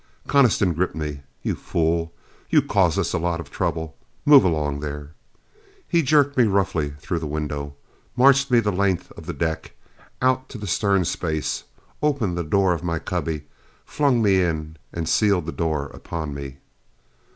Coniston gripped me. "You fool! You caused us a lot of trouble. Move along there!" He jerked me roughly through the window. Marched me the length of the deck, out to the stern space, opened the door of my cubby, flung me in and sealed the door upon me.